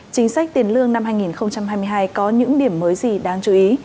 chính sách tiền lương năm hai nghìn hai mươi hai có những điểm mới gì đáng chú ý